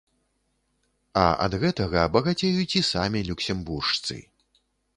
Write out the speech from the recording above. А ад гэтага багацеюць і самі люксембуржцы.